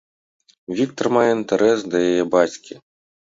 Віктар мае інтэрас да яе бацькі!